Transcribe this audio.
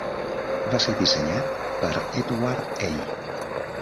Va ser dissenyat per Edward A.